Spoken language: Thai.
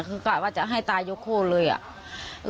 กล้าว่าจะให้ตายโยโค่เลยอ่ะ